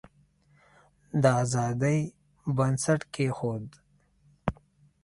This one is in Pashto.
د آزادی بنسټ کښېښود.